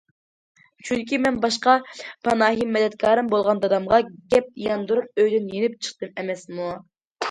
چۈنكى مەن باش پاناھىم، مەدەتكارىم بولغان دادامغا گەپ ياندۇرۇپ ئۆيدىن يېنىپ چىقتىم ئەمەسمۇ.